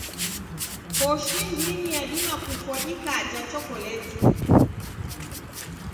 Koshi ndini yadima kufwa ikaja chokoleti.